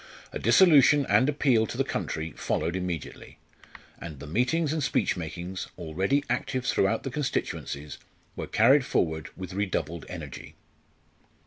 A dissolution and appeal to the country followed immediately, and the meetings and speech makings, already active throughout the constituencies, were carried forward with redoubled energy.